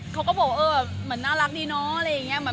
เขาก็บอกเหมือนน่ารักดีเนาะ